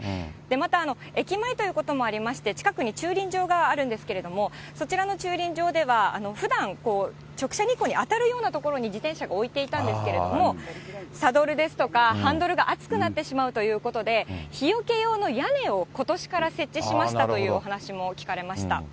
また、駅前ということもありまして、近くに駐輪場があるんですけれども、そちらの駐輪場では、ふだん、直射日光に当たるような所に自転車が置いていたんですけれども、サドルですとか、ハンドルが熱くなってしまうということで、日よけ用の屋根をことしから設置しましたというお話も聞かれまし